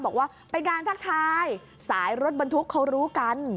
บอกว่าเป็นการทักทายสายรถบรรทุกเขารู้กัน